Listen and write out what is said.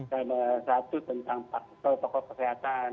dan satu tentang tokoh tokoh kesehatan